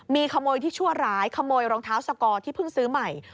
มีขโมยที่ชั่วร้ายขโมยรองเท้าสกอร์ที่เพิ่งซื้อใหม่